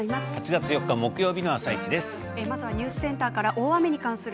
８月４日のあさイチです。